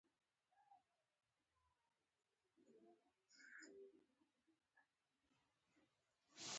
چی دا توپیر د نورو نظامونو نیمګرتیاوی را په ګوته کوی